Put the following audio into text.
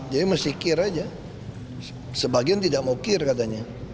jadi mesti kir aja sebagian tidak mau kir katanya